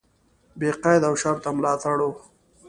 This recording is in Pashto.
بې قید او شرطه ملاتړ و.